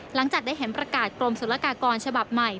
หลังจากได้เห็นประกาศกรมศุลกากรฉบับใหม่